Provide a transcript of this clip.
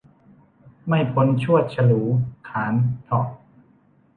ไม่พ้นชวด ฉลู ขาล เถาะ